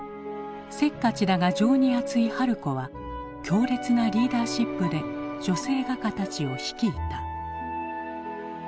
せっかちだが情に厚い春子は強烈なリーダーシップで女性画家たちを率いた。